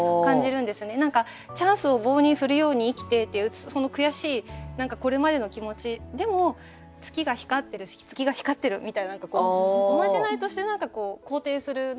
何か「チャンスを棒に振るように生きて」っていうその悔しい何かこれまでの気持ちでも「月がひかってるし月がひかってる」みたいなところおまじないとして肯定する